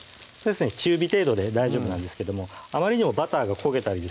中火程度で大丈夫なんですけどもあまりにもバターが焦げたりですね